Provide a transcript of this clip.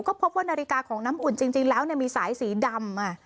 ก็พบว่านาฬิกาของน้ำอุ่นจริงแล้วมีสายสีดำ